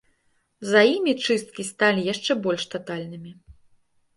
За імі чысткі сталі яшчэ больш татальнымі.